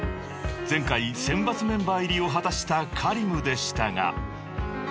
［前回選抜メンバー入りを果たしたＫａｒｉｍでしたが］